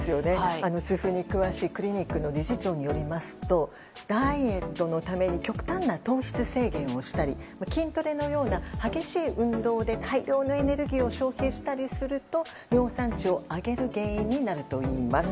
痛風に詳しいクリニックの理事長によりますとダイエットのために極端な糖質制限をしたり筋トレのような激しい運動で大量のエネルギーを消費したりすると、尿酸値を上げる原因になるといいます。